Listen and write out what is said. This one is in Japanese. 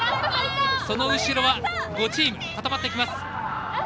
その後ろは５チームが固まってきます。